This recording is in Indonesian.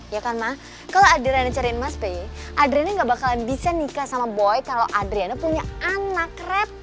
ya kan ma kalau adriana cariin mas b adriana gak bakalan bisa nikah sama boy kalau adriana punya anak dari mas b